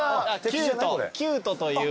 キュートというゾーン。